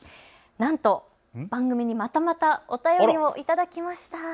なんと番組にまたまたお便りを頂きました。